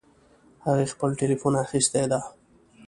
هغې خپل ټیلیفون اخیستی ده